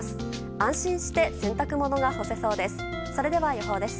安心して洗濯物が干せそうです。